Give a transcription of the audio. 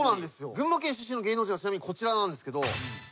群馬県出身の芸能人はちなみにこちらなんですけど。